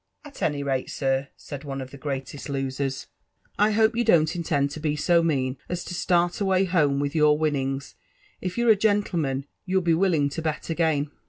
" At any rate, sir," said one of the greatest losers, "I hope yon JOSkTBAH JETPBRSON WISTLAW. Itt don*i intend to be so mean as to start away home with your winnings? If youVe a gonlJemaD, you'Jl be willing to bet again."